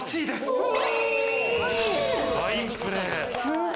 ファインプレー！